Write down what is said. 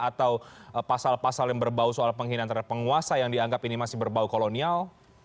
atau pasal pasal yang berbau soal penghinaan terhadap penguasa yang dianggap ini masih berbau kolonial